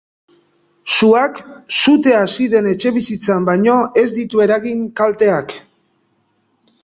Suak sutea hasi den etxebizitzan baino ez ditu eragin kalteak.